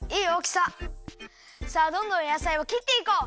さあどんどんやさいをきっていこう！